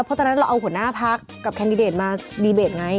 เพราะตอนนั้นเราเอาหัวหน้าพักกับแคนดิเดตมาดีเบตไง